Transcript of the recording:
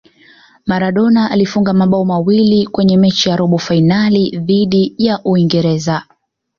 maradona alifunga mabao mawili Kwenye mechi ya robo fainali dhidi ya uingereza